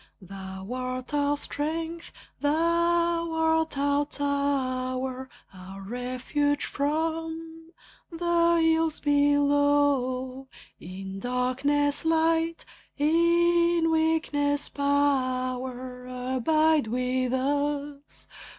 Thou art our strength, thou art our tower, Our refuge from the ills below, In darkness light, in weakness power. "Abide with us!"